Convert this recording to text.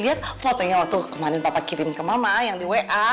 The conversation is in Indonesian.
lihat fotonya waktu kemarin papa kirim ke mama yang di wa